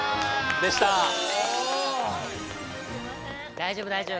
大丈夫大丈夫。